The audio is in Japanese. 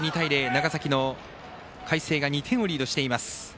長崎の海星が２点をリードしています。